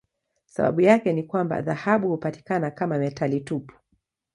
Sababu yake ni kwamba dhahabu hupatikana kama metali tupu.